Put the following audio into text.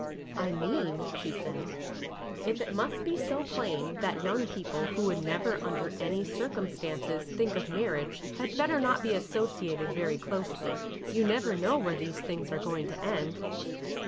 I mean," she said, if I must be so plain, that young people who would never under any circumstances think of marriage had better not be associated very closely. You never know where these things are going to end."